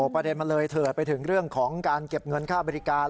ประเด็นมันเลยเถิดไปถึงเรื่องของการเก็บเงินค่าบริการ